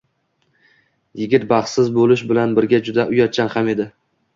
Yigit baxtsiz bo`lish bilan birga juda uyatchan ham edi